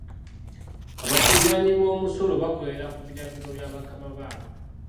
Abakungaanyi b'omusolo bakolera ku biragiro bya bakama baabwe.